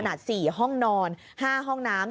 มาถึงห้องนอนห้องน้ำ